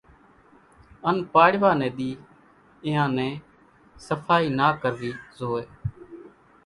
ان پاڙوا ني ۮي اينيان نين صڦائي نا ڪروي زوئي،